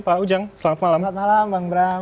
pak ujang selamat malam selamat malam bang bram